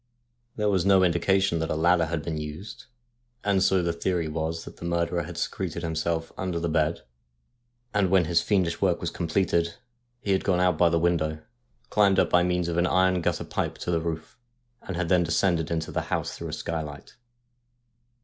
There was no indication that a ladder had been used, and so the theory was that the murderer had secreted himself under the bed, and when his fiendish work was completed he had gone out by the window, climbed up by means of an iron gutter pipe to the roof, and had then descended into the house through a skylight.